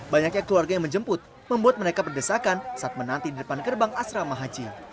banyaknya keluarga yang menjemput membuat mereka berdesakan saat menanti di depan gerbang asrama haji